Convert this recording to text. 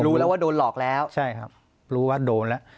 รู้แล้วว่าโดนหลอกแล้วใช่ครับรู้ว่าโดนแล้ว